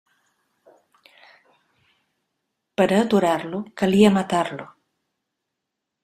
Per a aturar-lo calia matar-lo.